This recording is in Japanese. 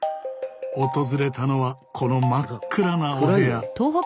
訪れたのはこの真っ暗なお部屋。